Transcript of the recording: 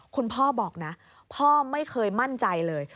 คุณพ่อบอกนะพ่อไม่เคยมั่นใจเลย